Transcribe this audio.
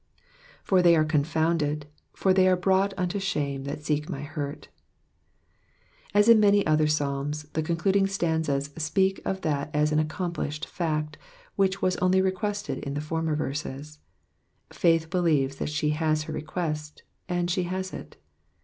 "For they are confounded, for they are brought unto shnme^ that seek my hurf'* As in many other Psalms, the concluding stanzas speak of that as an accomplished fact, which was only re quested in former verses. Faith believes that she has her request, and she has it.